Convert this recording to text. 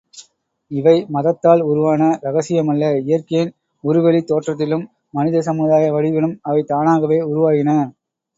இவை மதத்தால் உருவான ரகசியமல்ல இயற்கையின் உருவெளித் தோற்றத்திலும், மனித சமுதாய வடிவிலும் அவை தானாகவே உருவாயின.